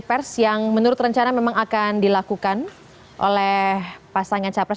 ataupun melakukan kolokasi pers